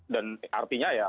dan artinya ya